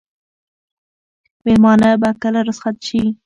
مېلمانه به کله رخصت شي؟